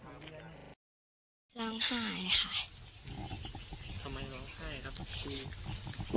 ทำไมร้องไห้ครับคุณ